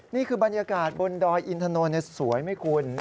นี่คือบรรยากาศบนดอยอินทนนท์สวยไหมคุณ